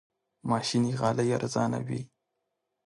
ماشيني غالۍ ارزانه وي.